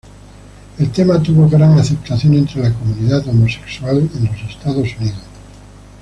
El tema tuvo gran aceptación entre la comunidad homosexual en los Estados Unidos.